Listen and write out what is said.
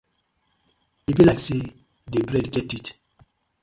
E bi like say di bread get teeth.